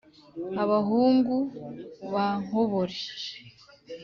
abahungu ba nkobore